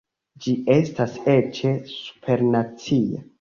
Ĝi estas eĉ supernacia.